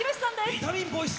ビタミンボイス！